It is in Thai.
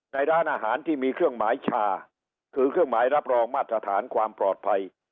แต่ร้านอาหารที่มีเครื่องหมายชาคือเครื่องหมายรับรองมาตรฐานความปลอดภัย